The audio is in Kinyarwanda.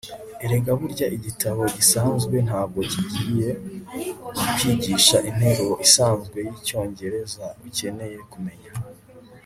Erega burya igitabo gisanzwe ntabwo kigiye kukwigisha interuro isanzwe yicyongereza ukeneye kumenya